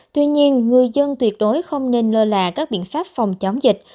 tuy nhiên người dân tuyệt đối không nên lơ là các biện pháp phòng chống dịch